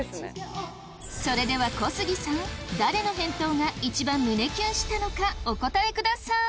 それでは小杉さん誰の返答がいちばん胸キュンしたのかお答えください。